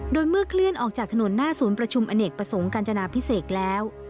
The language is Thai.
โดยเมื่อเคลื่อนออกจากถนนหน้าศูนย์ประชุมอเนกประสงค์กัญจนาพิเศษแล้ว